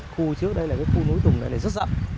khu trước đây là cái khu núi tùng này là rất rộng